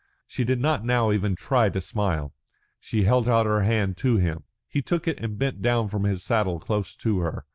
She did not now even try to smile, she held out her hand to him. He took it and bent down from his saddle close to her.